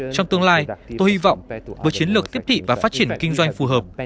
trong tương lai tôi hy vọng với chiến lược tiếp thị và phát triển kinh doanh phù hợp